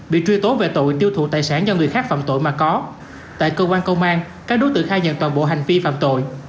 bị truy tố về tội tiêu thụ tài sản do người khác phạm tội mà có tại cơ quan công an các đối tượng khai nhận toàn bộ hành vi phạm tội